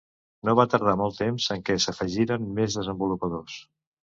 No va tardar molt temps en què s'afegiren més desenvolupadors.